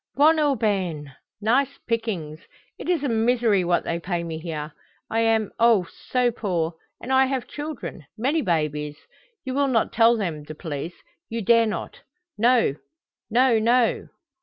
"Bon aubaine. Nice pickings. It is a misery what they pay me here. I am, oh, so poor, and I have children, many babies. You will not tell them the police you dare not. No, no, no."